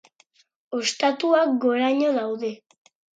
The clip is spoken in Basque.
Ostatuak goraino daude.